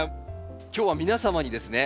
今日は皆様にですね